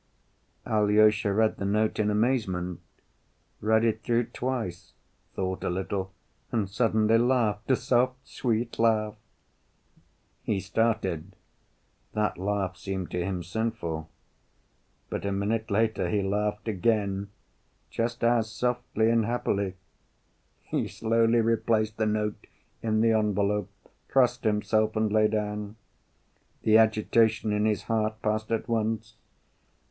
Alyosha read the note in amazement, read it through twice, thought a little, and suddenly laughed a soft, sweet laugh. He started. That laugh seemed to him sinful. But a minute later he laughed again just as softly and happily. He slowly replaced the note in the envelope, crossed himself and lay down. The agitation in his heart passed at once.